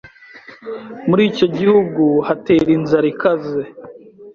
muri icyo gihugu hatera inzara ikaze